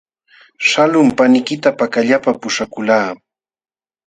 Shaqlunmi paniykita pakallapa puśhakuqlaa.